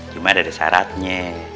cuma ada saratnya